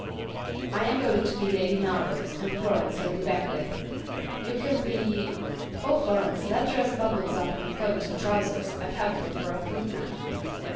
"I am going to be Lady Melrose, and Florence Lady Beckwith. You can be Oh, Florence, let's dress Bubbles up in a coat and trousers, and have her for a footman."